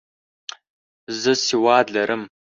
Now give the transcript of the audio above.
زه سواد لرم.